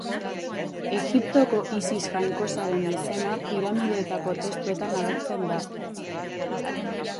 Egiptoko Isis jainkosaren izena piramideetako testuetan agertzen da.